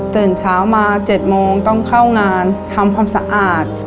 ตื่นเช้ามา๗โมงต้องเข้างานทำความสะอาด